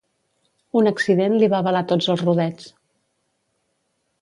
Un accident li va velar tots els rodets.